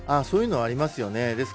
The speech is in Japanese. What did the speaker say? そういうのありますよね。